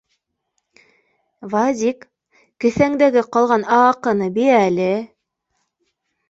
Вадик, кеҫәңдәге ҡалған а-аҡыны би әле